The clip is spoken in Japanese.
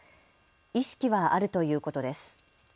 意識はあるということです。